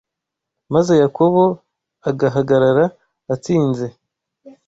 maze Yakobo agahagarara atsinze